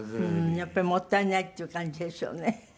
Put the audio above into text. やっぱりもったいないっていう感じですよね。